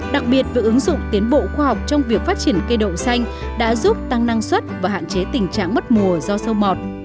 đặc biệt việc ứng dụng tiến bộ khoa học trong việc phát triển cây đậu xanh đã giúp tăng năng suất và hạn chế tình trạng mất mùa do sâu mọt